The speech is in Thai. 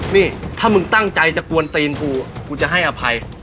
นี่ถ้ามึงตั้งใจจะกวนตีนกูกูจะให้อภัย